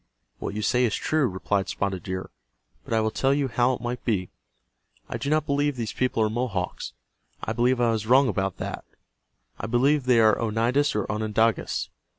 "What you say is true," replied Spotted Deer. "But I will tell you how it might be. I do not believe these people are Mohawks. I believe I was wrong about that. I believe that they are Oneidas or Onondagas.